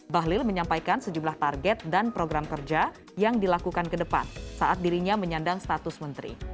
bahlil menyampaikan sejumlah target dan program kerja yang dilakukan ke depan saat dirinya menyandang status menteri